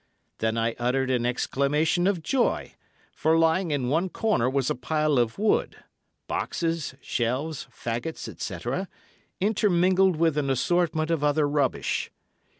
Then I uttered an exclamation of joy, for lying in one corner was a pile of wood—boxes, shelves, faggots, etc., intermingled with an assortment of other rubbish.